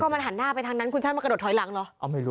มันหันหน้าไปทางนั้นคุณชาติมากระโดดถอยหลังเหรอ